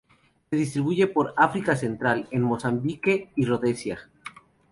Se distribuye por África Central: en Mozambique y Rodesia.